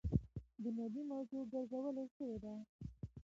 بنيادي موضوع ګرځولے شوې ده.